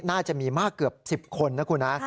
น่าจะมีมากเกือบ๑๐คนนะคุณนะ